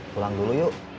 pulang dulu yuk